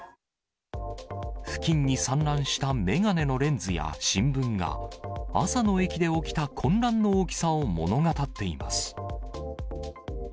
付近に散乱した眼鏡のレンズや新聞が、朝の駅で起きた混乱の大きさを物語っています。